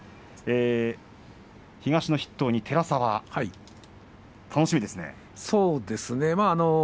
東の筆頭の寺沢楽しみなんですよね。